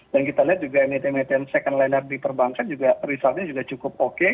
dan kita lihat juga emiten emiten second liner di perbankan juga resultnya cukup oke